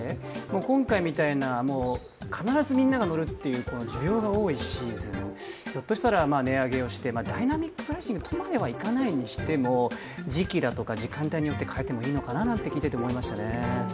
今回みたいな、必ずみんなが乗るという需要が多いシーズン、ひょっとしたら値上げをして、ダイナミックプライシングというか時期だとか時間帯によって変えてもいいのかななんて思いましたね。